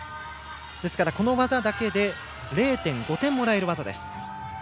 ですから、この技だけで０．５点もらえる技です。